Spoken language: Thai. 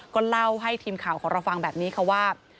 ก็เล่าให้ทีมข่าวของเราฟังแบบนี้ค่ะว่า